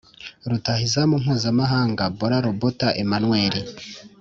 rutahizamu mpuzamahanga bola lobota emmanuel